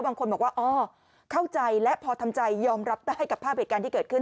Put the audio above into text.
บางคนบอกว่าอ๋อเข้าใจและพอทำใจยอมรับได้กับภาพเหตุการณ์ที่เกิดขึ้น